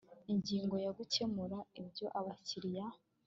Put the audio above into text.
ingingo ya gukemura ibyo abakiriya